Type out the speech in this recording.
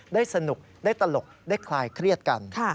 ได้สนุกได้ตลกได้คลายเครียดกัน